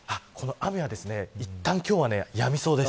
雨はいったん今日はやみそうです。